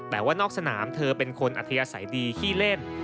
แต่ว่านอกสนามเธอเป็นคนอัธยาศัยดีขี้เล่น